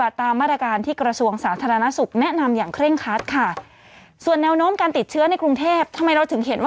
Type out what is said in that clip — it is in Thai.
ทำไมเราถึงเห็นว่าบางวิว